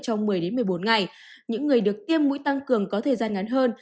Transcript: trong một mươi một mươi bốn ngày những người được tiêm mũi tăng cường có thời gian ngắn hơn